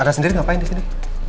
ada sendiri ngapain di sini